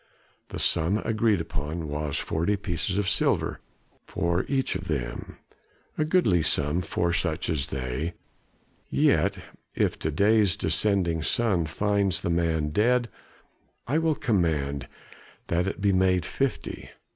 The sum agreed upon was forty pieces of silver for each of them a goodly sum for such as they, yet if to day's descending sun finds the man dead I will command that it be made fifty.